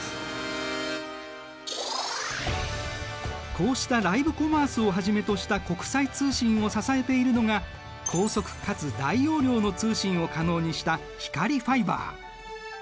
こうしたライブコマースをはじめとした国際通信を支えているのが高速かつ大容量の通信を可能にした光ファイバー。